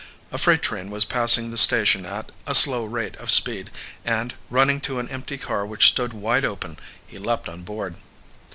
A freight train was passing the station at a slow rate of speed, and, running to an empty car which stood wide open, he leaped on board.